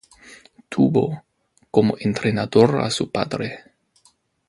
Tuvo como entrenador a su padre.